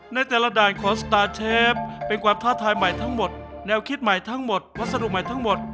ในแต่ละด่านของสตาร์เชฟเป็นความท้าทายใหม่ทั้งหมดแนวคิดใหม่ทั้งหมดวัสดุใหม่ทั้งหมด